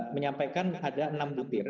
menyampaikan ada enam butir